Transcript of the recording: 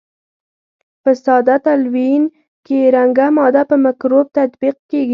په ساده تلوین کې رنګه ماده په مکروب تطبیق کیږي.